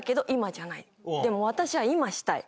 でも私は今したい。